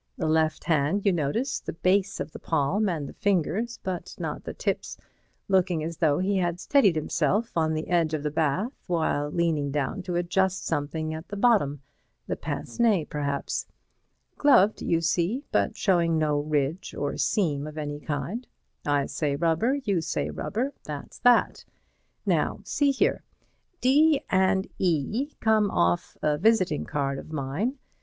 The left hand, you notice, the base of the palm and the fingers, but not the tips, looking as though he had steadied himself on the edge of the bath while leaning down to adjust something at the bottom, the pince nez perhaps. Gloved, you see, but showing no ridge or seam of any kind—I say rubber, you say rubber. That's that. Now see here: "D and E come off a visiting card of mine.